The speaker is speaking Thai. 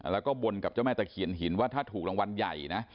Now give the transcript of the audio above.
แล้วก็บนกับเจ้าแม่ตะเคียนหินว่าถ้าถูกรางวัลใหญ่นะ